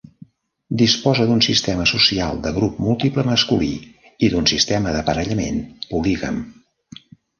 Disposa d'un sistema social de grup múltiple masculí i d'un sistema d'aparellament polígam.